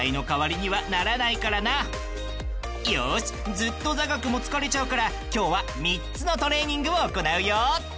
よしずっと座学も疲れちゃうから今日は３つのトレーニングを行うよ。